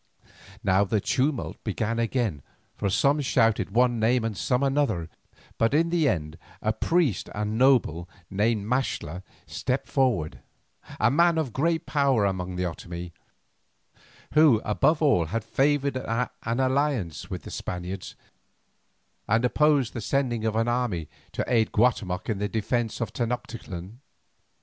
Now the tumult began again, for some shouted one name and some another, but in the end a priest and noble named Maxtla stepped forward, a man of great power among the Otomie, who, above all had favoured an alliance with the Spaniards and opposed the sending of an army to aid Guatemoc in the defence of Tenoctitlan.